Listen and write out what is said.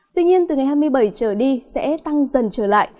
tuy nhiên từ ngày hai mươi bảy trở đi sẽ tăng dần trở lại